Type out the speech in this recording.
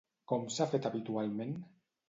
Com s'ha fet habitualment?